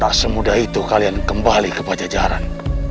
tak semudah itu kalian kembali ke pajajaran